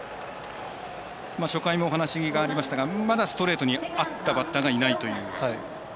初回もお話にありましたがまだストレートに合ったバッターがいないという。